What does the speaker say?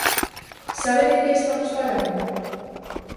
¿Sabe de que estamos falando?